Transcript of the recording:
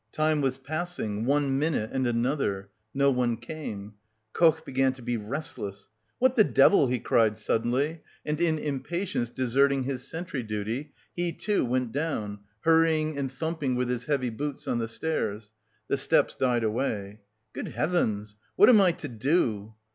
Time was passing, one minute, and another no one came. Koch began to be restless. "What the devil?" he cried suddenly and in impatience deserting his sentry duty, he, too, went down, hurrying and thumping with his heavy boots on the stairs. The steps died away. "Good heavens! What am I to do?"